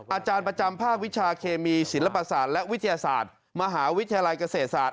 อาจารย์ประจำภาควิชาเคมีศิลปศาสตร์และวิทยาศาสตร์มหาวิทยาลัยเกษตรศาสตร์